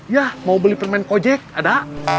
ya mau beli permen kojek ada